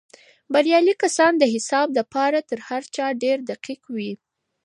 بريالي کسان د حساب دپاره تر هر چا ډېر دقیق وي.